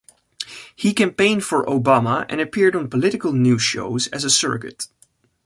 He campaigned for Obama and appeared on political news shows as a surrogate.